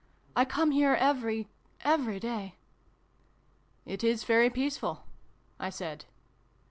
" I come here every every day." " It is very peaceful," I said.